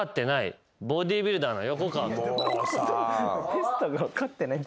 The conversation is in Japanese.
テストが分かってないって。